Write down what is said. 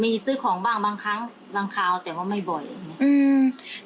มีซื้อของบ้างบางครั้งบางคราวแต่ว่าไม่บ่อยอย่างเงี้อืม